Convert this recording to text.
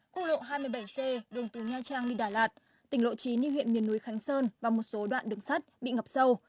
quốc lộ hai mươi bảy c đường từ nha trang đi đà lạt tỉnh lộ chín như huyện miền núi khánh sơn và một số đoạn đường sắt bị ngập sâu